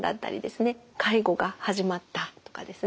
介護が始まったとかですね